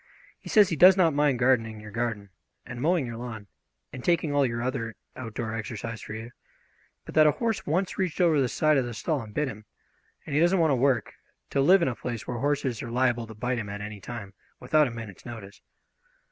He says he does not mind gardening your garden and mowing your lawn and taking all your other outdoor exercise for you, but that a horse once reached over the side of the stall and bit him, and he doesn't want to work to live in a place where horses are liable to bite him at any time without a minute's notice."